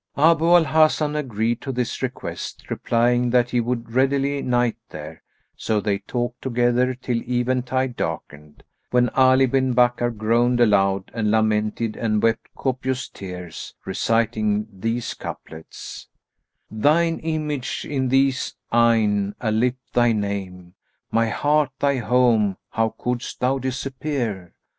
Abu al Hasan agreed to this request, replying that he would readily night there; so they talked together till even tide darkened, when Ali bin Bakkar groaned aloud and lamented and wept copious tears, reciting these couplets, "Thine image in these eyne, a lip thy name, * My heart thy home; how couldst thou disappear?